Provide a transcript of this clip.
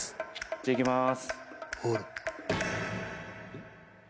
じゃあいきまーす。